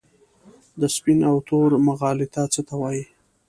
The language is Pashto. د سپین او تور مغالطه څه ته وايي؟